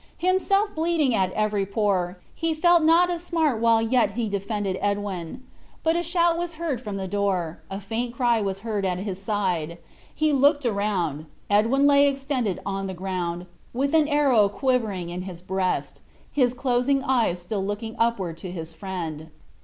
Himself bleeding at every pore, he felt not a smart while yet he defended Edwin. But a shout was heard from the door, a faint cry was heard at his side. He looked around. Edwin lay extended on the ground, with an arrow quivering in his breast, his closing eyes still looking upward to his friend.